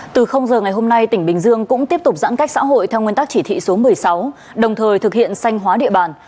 từ giờ ngày hôm nay tỉnh bình dương cũng tiếp tục giãn cách xã hội theo nguyên tắc chỉ thị số một mươi sáu đồng thời thực hiện xanh hóa địa bàn